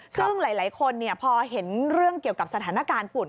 ซึ่งหลายคนพอเห็นเรื่องเกี่ยวกับสถานการณ์ฝุ่น